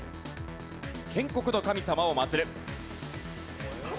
建国の神様を祀る。